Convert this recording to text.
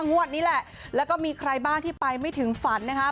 งวดนี้แหละแล้วก็มีใครบ้างที่ไปไม่ถึงฝันนะคะ